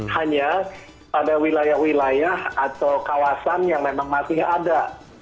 hanya pada wilayah wilayah atau kawasan yang memang masih ada